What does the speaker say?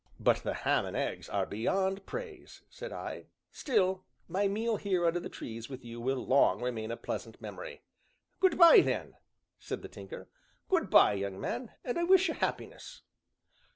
"But the ham and eggs are beyond praise," said I; "still, my meal here under the trees with you will long remain a pleasant memory." "Good by, then," said the Tinker. "Good by, young man, and I wish you happiness."